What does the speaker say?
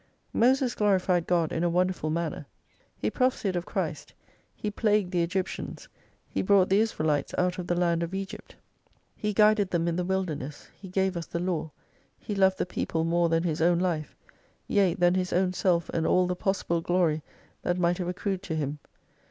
Moses glorified God in a wonderful manner ; he prophesied of Christ, he plagued the Egyptians, he brought the Israelites out of the land of Egypt, he guided them in the wilderness, he gave us the law, he loved the people more than his own life : yea, than his own self and all the possible glory that might have accrued to him.